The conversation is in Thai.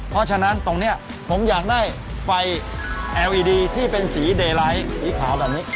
เพราะฉะนั้นตรงนี้ผมอยากได้ไฟแอร์วีดีที่เป็นสีเดไลท์สีขาวแบบนี้